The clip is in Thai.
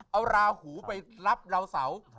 เอาราหูไปรับดาวเสา